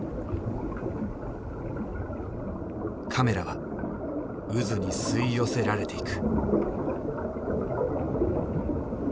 カメラは渦に吸い寄せられていく。